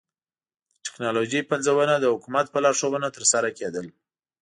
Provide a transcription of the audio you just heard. د ټکنالوژۍ پنځونه د حکومت په لارښوونه ترسره کېدل.